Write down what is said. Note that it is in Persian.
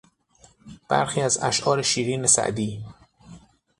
برخی از اشعار شیرین سعدی